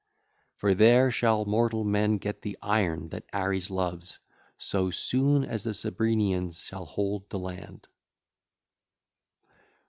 For there shall mortal men get the iron that Ares loves so soon as the Cebrenians shall hold the land.